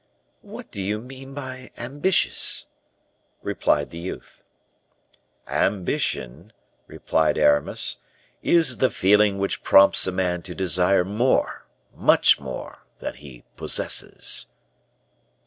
"What do you mean by ambitious?" replied the youth. "Ambition," replied Aramis, "is the feeling which prompts a man to desire more much more than he possesses."